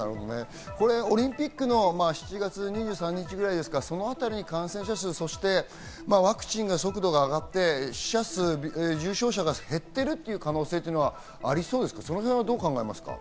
オリンピックの７月２３日ぐらいですか、その辺りに感染者数、そしてワクチンの速度が上がって死者数、重症者が減っている可能性というのはありそうですか？